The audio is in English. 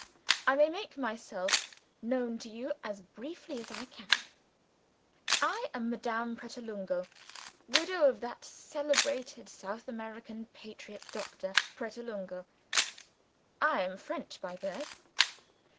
I may make myself known to you as briefly as I can. I am Madame Pratolungo widow of that celebrated South American patriot, Doctor Pratolungo. I am French by birth.